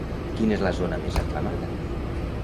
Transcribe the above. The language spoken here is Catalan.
Quina és la zona més aclamada?